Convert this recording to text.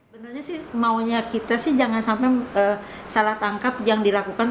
benarnya sih maunya kita sih jangan sampai salah tangkap yang dilakukan